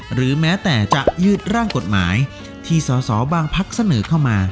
หรือแม้แต่จะยืดร่างกฎหมายที่สอสอบางพักเสนอเข้ามา